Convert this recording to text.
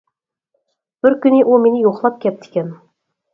بىر كۈنى ئۇ مېنى يولاپ كەپتىكەن.